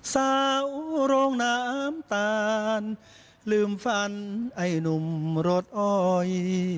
สาวโรงน้ำตาลลืมฟันไอ้หนุ่มรถอ้อย